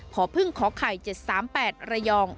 พึ่งขอไข่๗๓๘ระยอง